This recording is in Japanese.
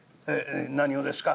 「何をですか？」。